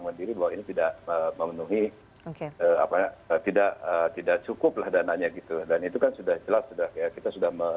yang kita dihadapi itu apa